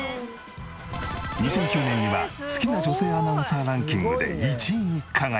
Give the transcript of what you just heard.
２００９年には好きな女性アナウンサーランキングで１位に輝いた。